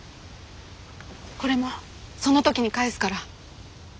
これもその時に返すから。